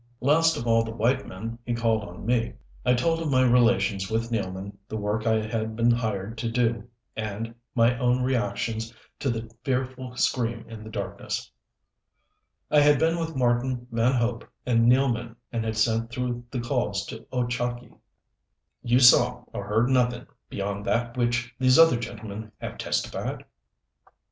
Last of all the white men, he called on me. I told of my relations with Nealman, the work I had been hired to do and, my own reactions to the fearful scream in the darkness. I had been with Marten, Van Hope and Nealman and had sent through the calls to Ochakee. "You saw or heard nothing beyond that which these other gentlemen have testified?"